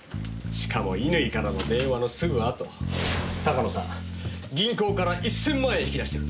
しかも乾からの電話のすぐあと鷹野さん銀行から１千万円引き出してるんです。